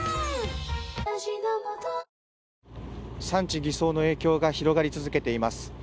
産地偽装の影響が広がり続けています。